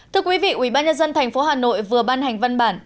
thưa quý vị ubnd tp hà nội vừa ban hành văn bản